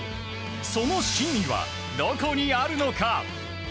その真意は、どこにあるのか。